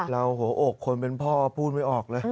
เราโอบคลเป็นพ่อพูดไม่ออกเลย